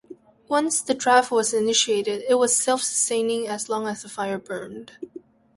Once the draft was initiated, it was self-sustaining as long as the fire burned.